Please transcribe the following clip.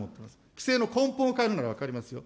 規制の根本を変えるなら分かりますよ。